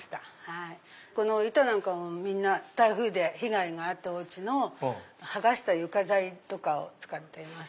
この板なんかもみんな台風で被害があったお家の剥がした床材とかを使ってます。